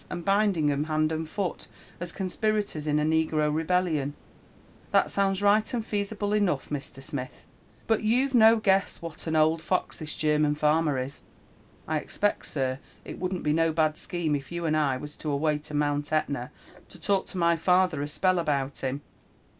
and binding 'em hand and foot, as conspirators in a negro rebellion r' " That sounds right and feasible enough, Mr. Smith ; bol you'veno guess what an old fox this German farmer is. I expect, sir, it wouldn't be no bad scheme it you and I was to away to Mount Etna to talk to my father a spell about him.